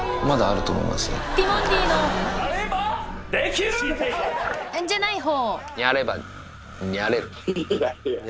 ティモンディのじゃない方